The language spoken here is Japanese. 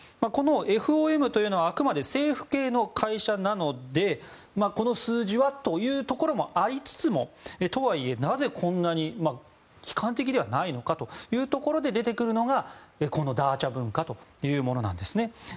このＦＯＭというのはあくまで政府系の会社なのでこの数字はというところもありつつもとはいえ、なぜこんなに悲観的ではないのかというところで出てくるのが、ダーチャ文化というものなんですね。